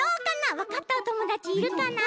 わかったおともだちいるかな？